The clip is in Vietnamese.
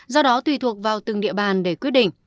do đó tùy thuộc vào từng địa bàn để quyết định